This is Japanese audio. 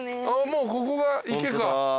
もうここが池か。